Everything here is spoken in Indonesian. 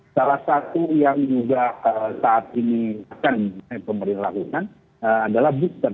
salah satu yang juga saat ini akan pemerintah lakukan adalah booster